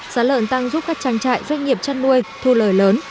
giá lợn tăng giúp các trang trại doanh nghiệp chăn nuôi thu lời lớn